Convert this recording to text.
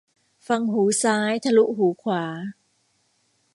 ฟังหูซ้าย ทะลุหูขวา